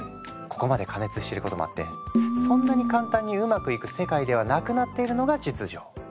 ここまで過熱してることもあってそんなに簡単にうまくいく世界ではなくなっているのが実情。